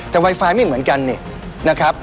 แต่ไวไฟไม่เหมือนกันเนี่ยนะครับ